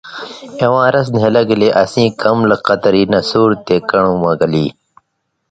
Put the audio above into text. اِواں رس نھیلہ گلے اسیں کم لک قطری نسُور تے کن٘ڑہۡ مہ گلی۔